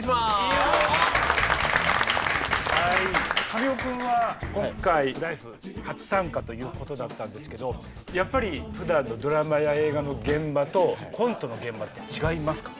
神尾君は今回「ＬＩＦＥ！」初参加ということだったんですけどやっぱりふだんのドラマや映画の現場とコントの現場って違いますか？